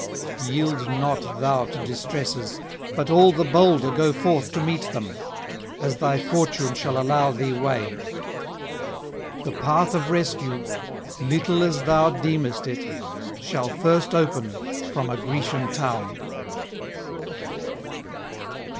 ... Yield not thou to distresses, but all the bolder go forth to meet them, as thy fortune shall allow thee way. The path of rescue, little as thou deemest it, shall first open from a Grecian town.'